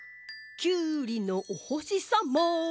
きゅうりのおほしさま。